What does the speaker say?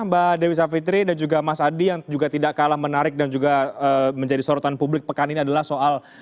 mbak dewi savitri dan juga mas adi yang juga tidak kalah menarik dan juga menjadi sorotan publik pekan ini adalah soal